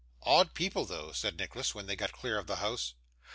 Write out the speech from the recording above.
'Odd people those,' said Nicholas, when they got clear of the house.